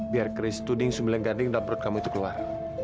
biar keris tuding sembilan gading dalam perut kamu itu keluar